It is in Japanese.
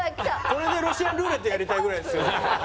「これでロシアンルーレットやりたいぐらいですよ」